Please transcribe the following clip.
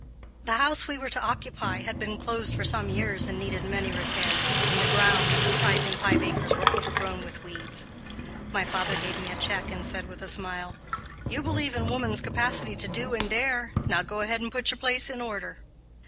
The house we were to occupy had been closed for some years and needed many repairs, and the grounds, comprising five acres, were overgrown with weeds. My father gave me a check and said, with a smile, "You believe in woman's capacity to do and dare; now go ahead and put your place in order."